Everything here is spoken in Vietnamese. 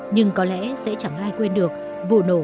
nhưng có lẽ sẽ chẳng ai quên được vụ nổ của pinatubo